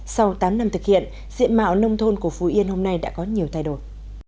sau tám năm thực hiện diện mạo nông thôn của phú yên hôm nay đã có nhiều thay đổi